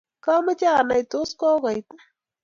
kamoche anai tos kokuituu.